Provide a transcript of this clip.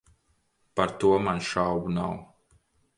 Par to man šaubu nav.